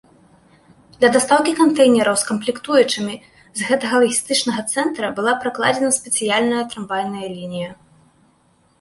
Для дастаўкі кантэйнераў з камплектуючымі з гэтага лагістычнага цэнтра была пракладзена спецыяльная трамвайная лінія.